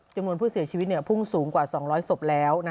จำนวนผู้เสียชีวิตพุ่งสูงกว่า๒๐๐ศพแล้ว